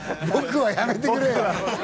はやめてくれよ。